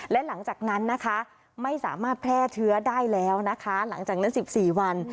และหลังจากนั้นนะคะไม่สามารถแพร่เชื้อได้แล้วนะคะหลังจากนั้น๑๔วัน